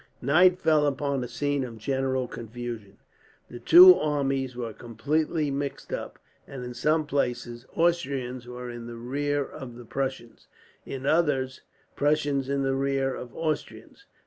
Night fell upon a scene of general confusion. The two armies were completely mixed up. In some places Austrians were in the rear of the Prussians, in others Prussians in the rear of Austrians.